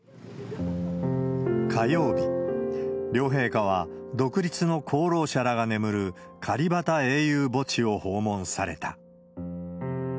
火曜日、両陛下は、独立の功労者が眠るカリバタ英雄墓地を訪問された。